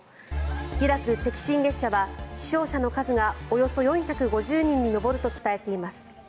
イラク赤新月社は、死傷者の数がおよそ４５０人に上ると伝えています。